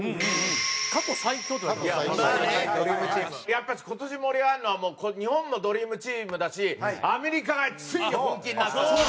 やっぱり今年盛り上がるのは日本もドリームチームだしアメリカがついに本気になった。